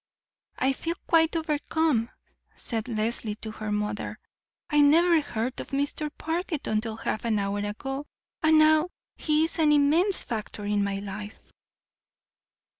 "I feel quite overcome," said Leslie to her mother. "I never heard of Mr. Parker until half an hour ago, and now he is an immense factor in my life."